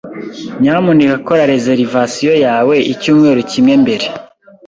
Nyamuneka kora reservation yawe icyumweru kimwe mbere.